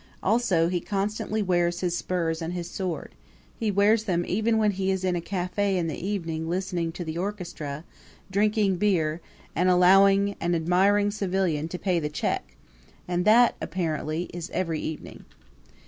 Also, he constantly wears his spurs and his sword; he wears them even when he is in a cafe in the evening listening to the orchestra, drinking beer and allowing an admiring civilian to pay the check and that apparently is every evening.